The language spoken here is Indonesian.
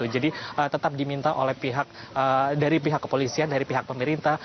jadi tetap diminta oleh pihak dari pihak kepolisian dari pihak pemerintah